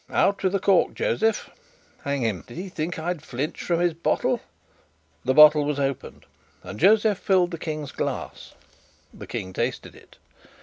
"Out with the cork, Josef. Hang him! Did he think I'd flinch from his bottle?" The bottle was opened, and Josef filled the King's glass. The King tasted it.